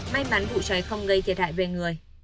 may mắn vụ cháy không gây thiệt hại về người